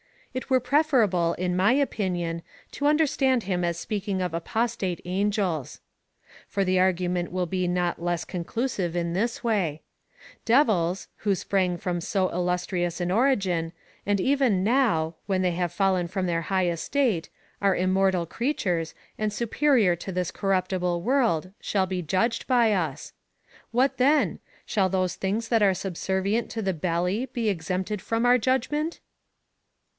it were preferable, in my opinion, to understand him as speaking of apostate^ angels. For the argument will be not less conclu sive in this way :" Devils, who sprang from so illustrious an origin, and even now, when they have fallen from their high estate, are immortal creatures, and superior to this corruiDtible world, shall be judged by us. What then ? Shall those things that are subservient to the belly be ex empted from our judgment